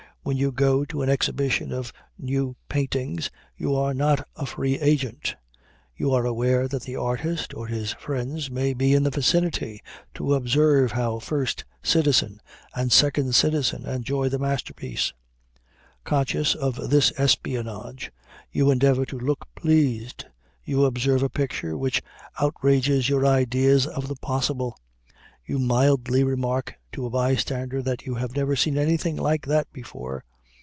When you go to an exhibition of new paintings, you are not a free agent. You are aware that the artist or his friends may be in the vicinity to observe how First Citizen and Second Citizen enjoy the masterpiece. Conscious of this espionage, you endeavor to look pleased. You observe a picture which outrages your ideas of the possible. You mildly remark to a bystander that you have never seen anything like that before.